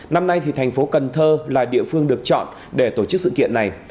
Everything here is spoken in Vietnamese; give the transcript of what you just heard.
năm nay thì thành phố cần thơ là địa phương được chọn để tổ chức sự kiện này